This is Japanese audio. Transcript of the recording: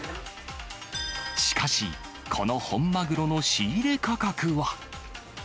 しかし、この本マグロの仕入れ価格は。